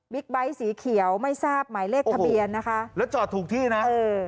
ไบท์สีเขียวไม่ทราบหมายเลขทะเบียนนะคะแล้วจอดถูกที่นะเออ